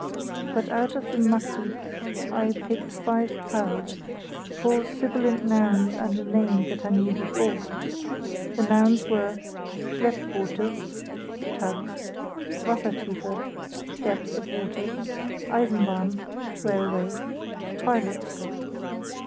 But out of the muck heap I picked five pearls—four sibilant nouns and a name that I knew before. The nouns were "Schleppboote" (tugs); "Wassertiefe" (depth of water); "Eisenbahn" (railway); "Lotsen" (pilots).